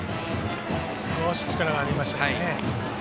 少し力が入りましたね。